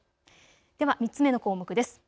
では３つ目の項目です。